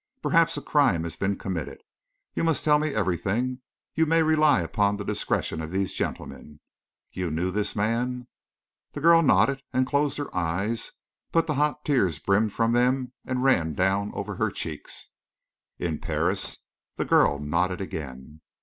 "Perhaps a crime has been committed. You must tell me everything. You may rely upon the discretion of these gentlemen. You knew this man?" The girl nodded, and closed her eyes; but the hot tears brimmed from them and ran down over her cheeks. "In Paris?" The girl nodded again.